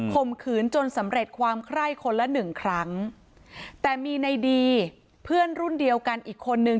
มขืนจนสำเร็จความไคร้คนละหนึ่งครั้งแต่มีในดีเพื่อนรุ่นเดียวกันอีกคนนึง